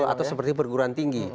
atau seperti perguruan tinggi